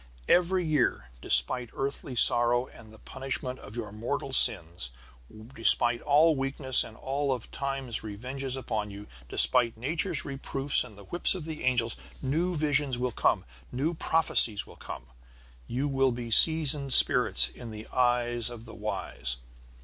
Every year, despite earthly sorrow and the punishment of your mortal sins, despite all weakness and all of Time's revenges upon you, despite Nature's reproofs and the whips of the angels, new visions will come, new prophecies will come. You will be seasoned spirits in the eyes of the wise.